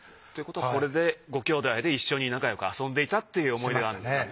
ということはこれでご兄弟で一緒に仲よく遊んでいたっていう思い出があるね。